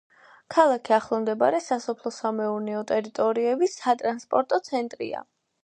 ქალაქი ახლომდებარე სასოფლო-სამეურნეო ტერიტორიების სატრანსპორტო ცენტრია.